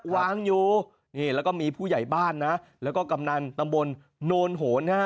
วางอยู่นี่แล้วก็มีผู้ใหญ่บ้านนะแล้วก็กำนันตำบลโนนโหนฮะ